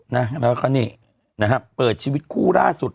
นะแล้วก็นี่นะฮะเปิดชีวิตคู่ล่าสุด